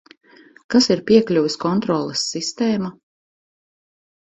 Kas ir piekļuves kontroles sistēma?